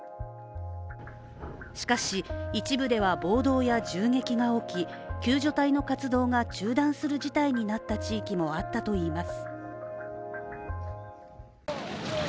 しかし、一部では暴動や銃撃が起き救助隊の活動が中断する事態になった地域もあったといいます。